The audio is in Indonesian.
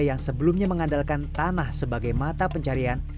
yang sebelumnya mengandalkan tanah sebagai mata pencarian